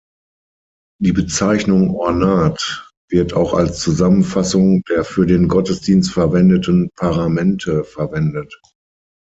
Die Bezeichnung "Ornat" wird auch als Zusammenfassung der für den Gottesdienst verwendeten Paramente verwendet.